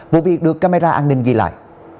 vụ việc được camera an ninh ghi lại